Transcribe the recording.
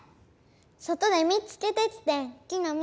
外で見つけてきてん木のみ。